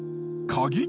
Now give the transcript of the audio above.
鍵？